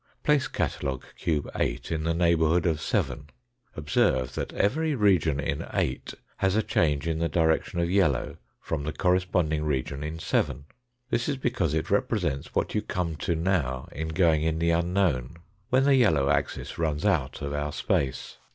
Place catalogue cube 8 in the neighbourhood of 7 observe that every region in 8 has a change in the direction of yellow from the corresponding region in 7. This is because it represents what you come to now in going in the unknown, when the yellow axis runs out of our space.